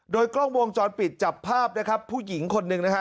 โดยกล้องวงจรปิดจับภาพนะครับผู้หญิงคนหนึ่งนะฮะ